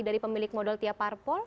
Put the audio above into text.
dari pemilik modal tiap parpol